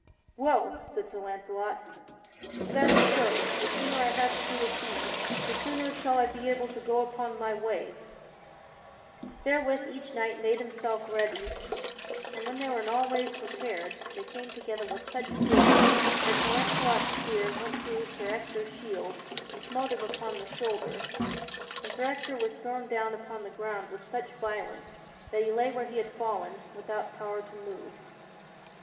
"Well," said Sir Launcelot, "if that is so, the sooner I have to do with thee, the sooner shall I be able to go upon my way." [Sidenote: Sir Launcelot overthrows Sir Ector] Therewith each knight made himself ready and when they were in all ways prepared they came together with such force that Sir Launcelot's spear went through Sir Ector's shield and smote him upon the shoulder, and Sir Ector was thrown down upon the ground with such violence that he lay where he had fallen, without power to move.